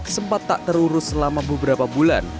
sempat tak terurus selama beberapa bulan